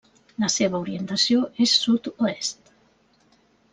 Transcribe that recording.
La seva orientació és sud-oest.